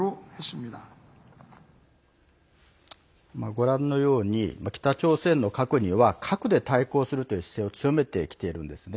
ご覧のように北朝鮮の核には核で対抗するという姿勢を強めてきているんですね。